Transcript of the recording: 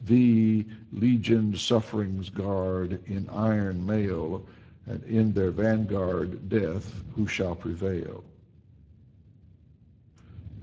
Thee, ^egioned sufferings guard, in iron mail. And in their vanguard Death, who shall prevail.